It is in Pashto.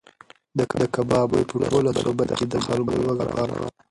د کباب بوی په ټوله سوبه کې د خلکو لوږه پاروله.